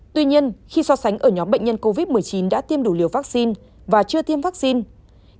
tuy nhiên khi so sánh ở nhóm bệnh nhân covid một mươi chín đã tiêm đủ liều vaccine và chưa tiêm vaccine